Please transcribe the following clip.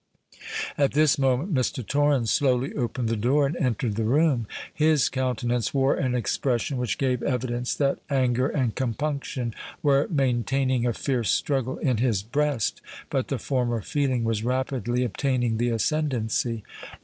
At this moment Mr. Torrens slowly opened the door, and entered the room. His countenance wore an expression which gave evidence that anger and compunction were maintaining a fierce struggle in his breast; but the former feeling was rapidly obtaining the ascendancy.